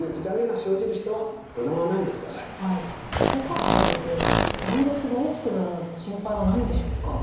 この時点で肩に動かすことで断裂が大きくなるなどの心配はないんでしょうか？